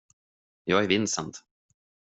Jag är Vincent.